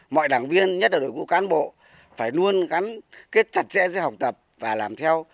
mọi đảng viên nhất là đội ngũ cán bộ phải luôn gắn kết chặt chẽ giữa học tập và làm theo